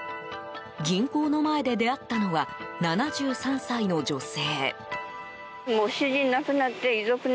銀行の前で出会ったのは７３歳の女性。